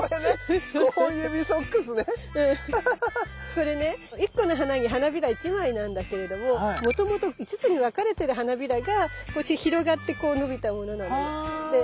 これね１個の花に花びら１枚なんだけれどももともと５つに分かれてる花びらがこっち広がって伸びたものなのよ。